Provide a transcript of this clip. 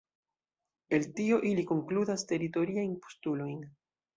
El tio ili konkludas teritoriajn postulojn.